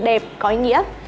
đẹp có ý nghĩa